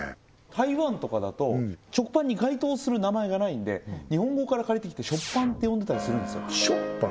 台湾とかだと食パンに該当する名前がないんで日本語から借りてきてショッパンって呼んでたりするんですよショッパン？